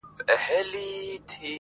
o امير ئې ورکوي، شيخ مير ئې نه ورکوي.